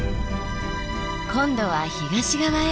今度は東側へ。